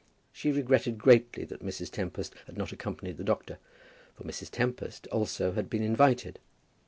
She regretted greatly that Mrs. Tempest had not accompanied the doctor; for Mrs. Tempest also had been invited.